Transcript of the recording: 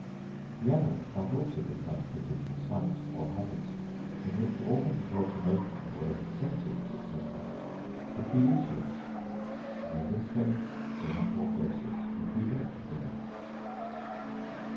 The adult might also become fitted for sites or habits, in which organs of locomotion or of the senses, &c., would be useless; and in this case the metamorphosis would be retrograde.